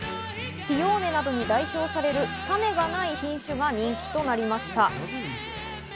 ピオーネなどに代表される種がない品種が人気となりました。